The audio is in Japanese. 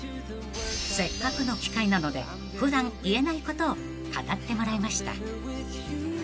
［せっかくの機会なので普段言えないことを語ってもらいました］